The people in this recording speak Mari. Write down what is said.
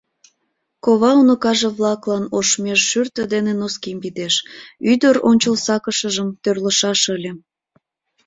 Кова уныкаже-влаклан ош меж шӱртӧ дене носким пидеш, ӱдыр ончылсакышыжым тӧрлышаш ыле